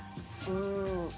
うん。